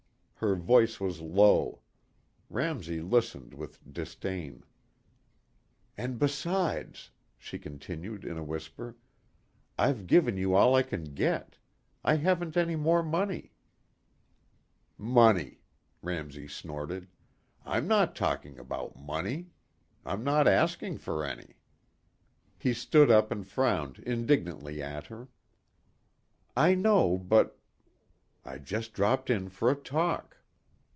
Her voice was low. Ramsey listened with disdain. "And besides," she continued in a whisper, "I've given you all I can get. I haven't any more money." "Money!" Ramsey snorted. "I'm not talking about money. I'm not asking for any." He stood up and frowned indignantly at her. "I know, but " "I just dropped in for a talk."